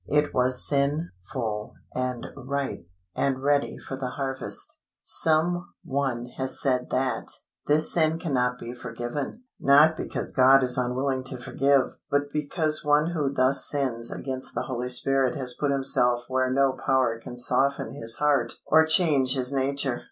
It was sin full and ripe and ready for the harvest. Some one has said that "this sin cannot be forgiven, not because God is unwilling to forgive, but because one who thus sins against the Holy Spirit has put himself where no power can soften his heart or change his nature.